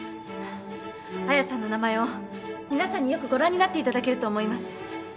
綾さんの名前を皆さんによくご覧になっていただけると思います。